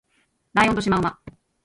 ライオンとシマウマ